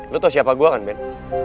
lo tau siapa gue kan ben